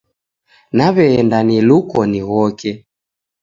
Naweenda niluko nighoke.